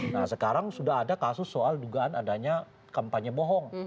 nah sekarang sudah ada kasus soal dugaan adanya kampanye bohong